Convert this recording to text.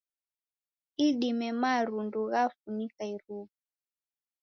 Idime marundu ghafunika iruw'a